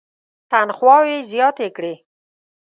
تنخواوې یې زیاتې کړې.